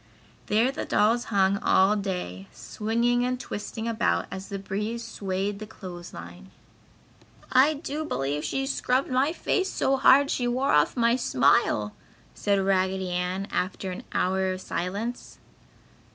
There the dolls hung all day, swinging and twisting about as the breeze swayed the clothes line. "I do believe she scrubbed my face so hard she wore off my smile!" said Raggedy Ann, after an hour of silence.